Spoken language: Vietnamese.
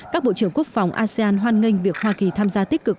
các bộ trưởng quốc phòng asean hoan nghênh việc hoa kỳ tham gia tích cực